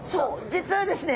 実はですね